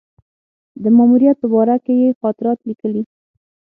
د ماموریت په باره کې یې خاطرات لیکلي.